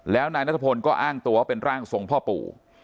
แล้วนายนัทพลก็อ้างตัวว่าเป็นร่างทรงพ่อปู่